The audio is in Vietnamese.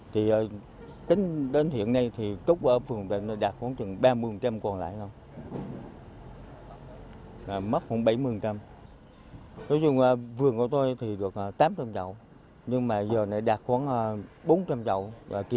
thì đến hiện nay thì cúc ở phường bình định nó đạt khoảng ba mươi còn lại